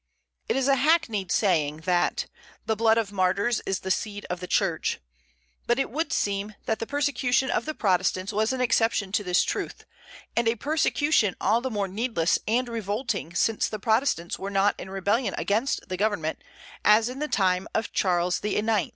It is a hackneyed saying, that "the blood of martyrs is the seed of the Church." But it would seem that the persecution of the Protestants was an exception to this truth, and a persecution all the more needless and revolting since the Protestants were not in rebellion against the government, as in the tune of Charles IX.